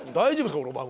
この番組。